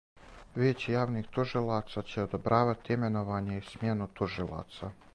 Вијеће јавних тужилаца ће одобравати именовање и смјену тужилаца.